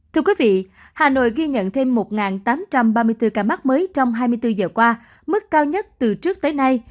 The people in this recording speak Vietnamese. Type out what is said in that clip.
thưa quý vị hà nội ghi nhận thêm một tám trăm ba mươi bốn ca mắc mới trong hai mươi bốn giờ qua mức cao nhất từ trước tới nay